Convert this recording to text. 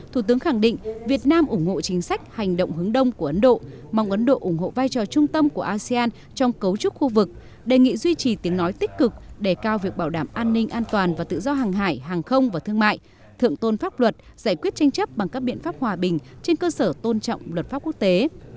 thủ tướng khẳng định việt nam ủng hộ chính sách hành động hướng đông của ấn độ mong ấn độ ủng hộ vai trò trung tâm của asean trong cấu trúc khu vực đề nghị duy trì tiếng nói tích cực đề cao việc bảo đảm an ninh an toàn và tự do hàng hải hàng không và thương mại thượng tôn pháp luật giải quyết tranh chấp bằng các biện pháp hòa bình trên cơ sở tôn trọng luật pháp quốc tế